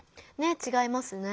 違いますね。